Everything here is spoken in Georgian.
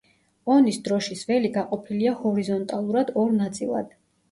ონის დროშის ველი გაყოფილია ჰორიზონტალურად ორ ნაწილად.